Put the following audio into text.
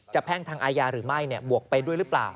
แพ่งทางอาญาหรือไม่บวกไปด้วยหรือเปล่า